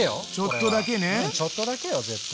ちょっとだけよ絶対。